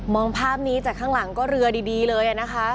ภาพนี้จากข้างหลังก็เรือดีเลยนะคะ